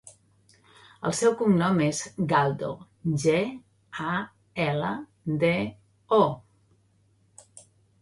El seu cognom és Galdo: ge, a, ela, de, o.